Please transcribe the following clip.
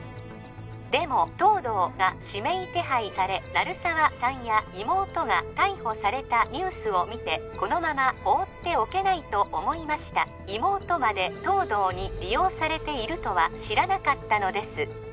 でも東堂が指名手配され鳴沢さんや妹が逮捕されたニュースを見てこのまま放っておけないと思いました妹まで東堂に利用されているとは知らなかったのです